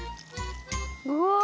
うわ！